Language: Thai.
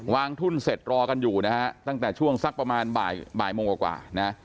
ทุ่นเสร็จรอกันอยู่นะฮะตั้งแต่ช่วงสักประมาณบ่ายโมงกว่านะ